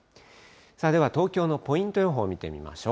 では東京のポイント予報を見てみましょう。